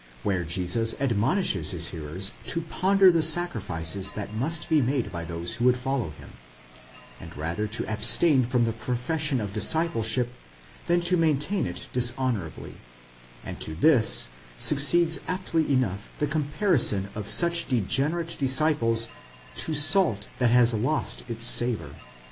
34 f.), where Jesus admonishes his hearers to ponder the 'sacrifices that must be made by those who would follow him, and rather to abstain from the profession of discipleship than to maintain it dishonourably ; and to this succeeds aptly enough the comparison of such degenerate disciples to salt that has lost its savour.